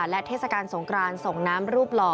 และเทศกาลสงกรานส่งน้ำรูปหล่อ